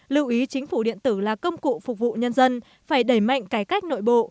lưu ý chính phủ điện tử là công cụ phục vụ nhân dân phải đẩy mạnh cải cách nội bộ